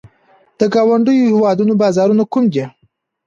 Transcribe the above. د ګاونډیو هیوادونو بازارونه کوم دي؟